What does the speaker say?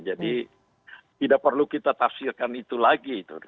jadi tidak perlu kita tafsirkan itu lagi